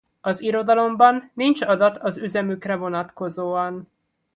Az irodalomban nincs adat az üzemükre vonatkozóan.